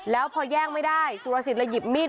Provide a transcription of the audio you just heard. แล้วพอแย่งไม่ได้สุรสิทธิเลยหยิบมีด